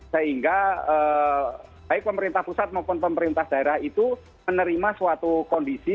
sehingga baik pemerintah pusat maupun pemerintah daerah itu menerima suatu kondisi